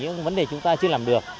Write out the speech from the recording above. những vấn đề chúng ta chưa làm được